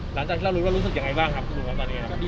หลังจากรู้แล้วรู้สึกยังไงบ้างครับคุณหลุมคะตอนนี้